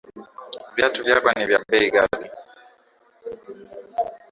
Viatu vyako ni vya bei ghali